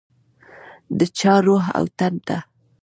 د چا روح او تن ته